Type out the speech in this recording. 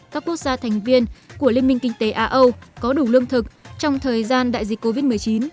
các quốc gia thành viên của liên minh kinh tế á âu có đủ lương thực trong thời gian đại dịch covid một mươi chín